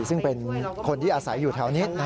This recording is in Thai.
ซึ่งเป็นคนที่อาศัยอยู่แถวนี้